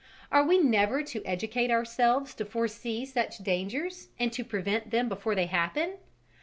Are we never to educate ourselves to foresee such dangers and to prevent them before they happen?